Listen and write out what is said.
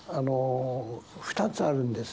２つあるんですね。